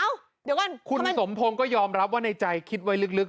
อ้าวเดี๋ยวก่อนทำไมคุณสมโพงก็ยอมรับว่าในใจคิดไว้ลึก